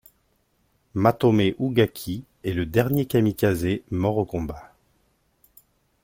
Matome Ugaki est le dernier kamikaze mort au combat.